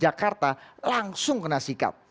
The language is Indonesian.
jakarta langsung kena sikap